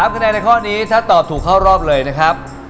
คะแนนในข้อนี้ถ้าตอบถูกเข้ารอบเลยนะครับ